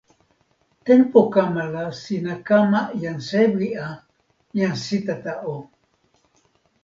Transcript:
tenpo kama la sina kama jan sewi a, jan Sitata o!